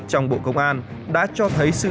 trong bộ công an đã cho thấy sự